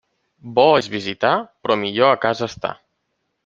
Bo és visitar, però millor a casa estar.